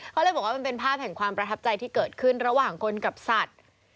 เขาเลยบอกว่ามันเป็นภาพแห่งความประทับใจที่เกิดขึ้นระหว่างคนกับสัตว์